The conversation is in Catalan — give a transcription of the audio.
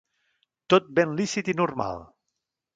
Tot ben lícit i normal.